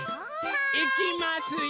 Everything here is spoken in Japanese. いきますよ！